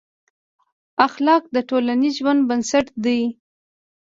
اخلاق د ټولنیز ژوند بنسټ دي.